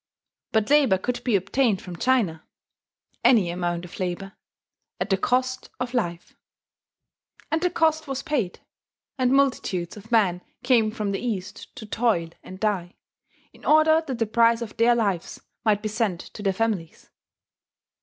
But labour could be obtained from China any amount of labour at the cost of life; and the cost was paid; and multitudes of men came from the East to toil and die, in order that the price of their lives might be sent to their families....